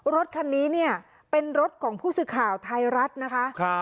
รถคันนี้เนี่ยเป็นรถของผู้สื่อข่าวไทยรัฐนะคะ